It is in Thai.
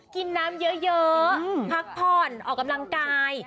กินน้ำเยอะพักผ่อนออกกำลังกาย